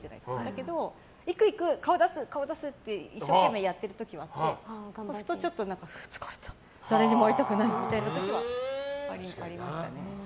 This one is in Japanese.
だけど、行く行く！顔出す！って一生懸命やってる時があってふと疲れた誰にも会いたくないみたいな時はありましたね。